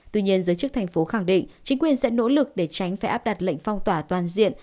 tuy nhiên giới chức thành phố khẳng định chính quyền sẽ nỗ lực để tránh phải áp đặt lệnh phong tỏa toàn diện